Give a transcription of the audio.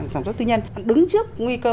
sản xuất tư nhân đứng trước nguy cơ